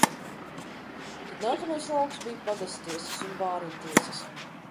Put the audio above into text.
Tad nākamais lauks bija pagasttiesas un bāriņtiesas.